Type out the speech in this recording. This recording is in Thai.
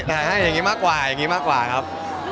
ให้อย่างนี้มากกว่าอย่างนี้มากกว่าครับ